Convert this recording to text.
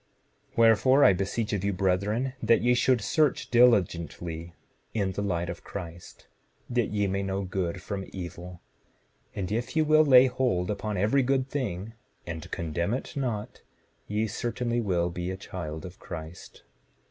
7:19 Wherefore, I beseech of you, brethren, that ye should search diligently in the light of Christ that ye may know good from evil; and if ye will lay hold upon every good thing, and condemn it not, ye certainly will be a child of Christ.